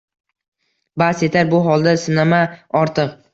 Bas, yetar, bu holda sinama ortiq